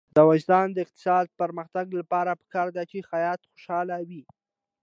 د افغانستان د اقتصادي پرمختګ لپاره پکار ده چې خیاط خوشحاله وي.